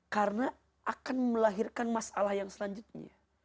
karena akan melahirkan masalah yang selanjutnya